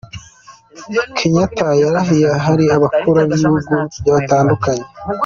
Kenyatta yarahiye hari abakuru b’ibihugu batandukanye.